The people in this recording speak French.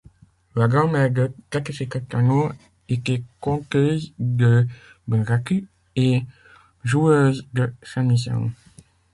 La grand-mère de Takeshi Kitano était conteuse de bunraku et joueuse de shamisen.